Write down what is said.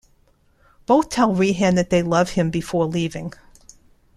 Both tell Rehan that they love him before leaving.